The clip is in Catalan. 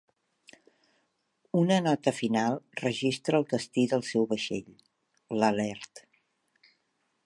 Una nota final registra el destí del seu vaixell, l'"Alert".